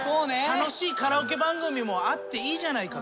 楽しいカラオケ番組もあっていいじゃないかと。